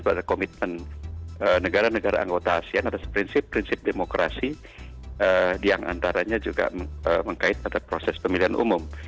pada komitmen negara negara anggota asean atas prinsip prinsip demokrasi yang antaranya juga mengkait pada proses pemilihan umum